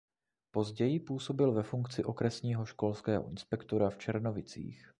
Později působil ve funkci okresního školského inspektora v Černovicích.